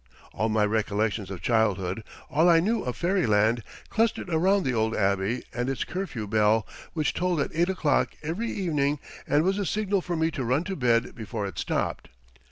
All my recollections of childhood, all I knew of fairyland, clustered around the old Abbey and its curfew bell, which tolled at eight o'clock every evening and was the signal for me to run to bed before it stopped.